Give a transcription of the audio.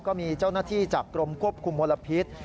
ก็มีเจ้าหน้าที่จากกรมควบคุมมลพิษ